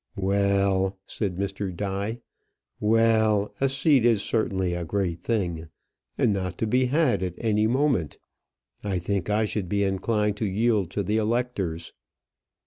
"Well," said Mr. Die "well; a seat is certainly a great thing, and not to be had at any moment. I think I should be inclined to yield to the electors."